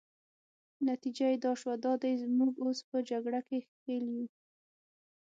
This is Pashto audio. نتیجه يې دا شوه، دا دی موږ اوس په جګړه کې ښکېل یو.